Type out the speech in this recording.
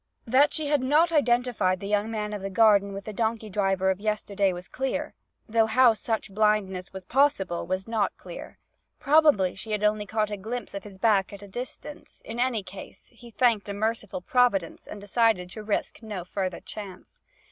That she had not identified the young man of the garden with the donkey driver of yesterday was clear though how such blindness was possible, was not clear. Probably she had only caught a glimpse of his back at a distance; in any case he thanked a merciful Providence and decided to risk no further chance.